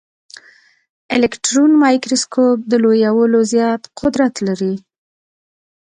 الکټرون مایکروسکوپ د لویولو زیات قدرت لري.